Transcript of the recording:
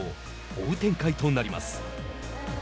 追う展開となります。